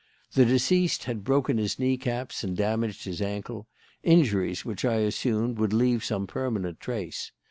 The deceased had broken his knee caps and damaged his ankle, injuries which I assumed would leave some permanent trace.